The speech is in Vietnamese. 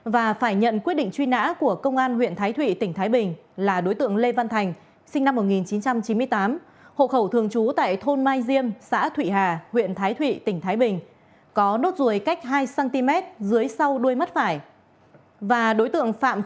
với những thông tin về truy nã tội phạm sau ít phút